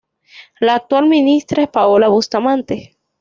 La actual ministra es Paola Bustamante.